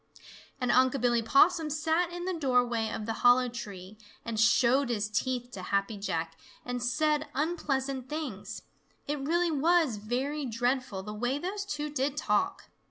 And Unc' Billy Possum sat in the doorway of the hollow tree and showed his teeth to Happy Jack and said unpleasant things. It really was very dreadful the way those two did talk.